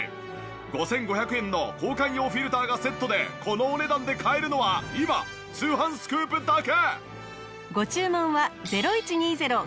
５５００円の交換用フィルターがセットでこのお値段で買えるのは今『通販スクープ』だけ。